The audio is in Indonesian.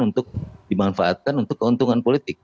untuk dimanfaatkan untuk keuntungan politik